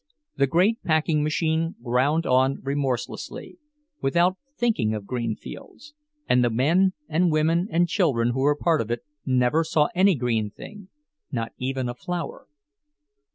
The great packing machine ground on remorselessly, without thinking of green fields; and the men and women and children who were part of it never saw any green thing, not even a flower.